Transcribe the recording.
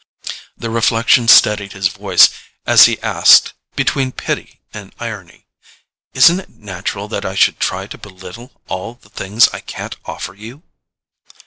The reflection steadied his voice as he asked, between pity and irony: "Isn't it natural that I should try to belittle all the things I can't offer you?"